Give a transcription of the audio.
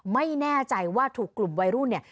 ไม่แน่ใจว่าถูกกลุ่มวัยรุ่นเนี่ย